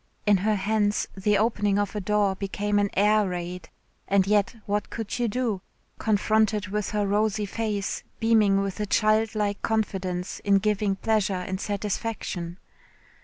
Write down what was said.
In her hands the opening of a door became an air raid and yet what could you do, confronted with her rosy face beaming with a child like confidence in giving pleasure and satisfaction.